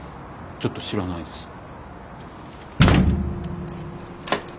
ちょっと知らないです。